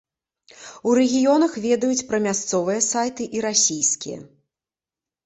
У рэгіёнах ведаюць пра мясцовыя сайты і расійскія.